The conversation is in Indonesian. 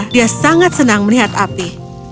dia sangat senang melihat api